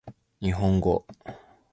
日本語